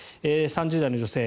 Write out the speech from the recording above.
３０代の女性。